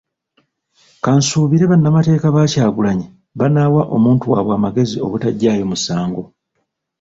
Kansuubire bannamateeka ba Kyagulanyi banaawa omuntu waabwe amagezi obutaggyayo musango.